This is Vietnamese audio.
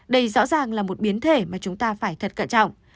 đây rõ ràng là một biến thể mà chúng ta phải thật cẩn trọng